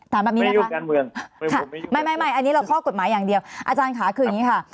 ถามแบบนี้นะคะไม่อันนี้เราข้อกฎหมายอย่างเดียวอาจารย์ค่ะคืออย่างนี้ค่ะ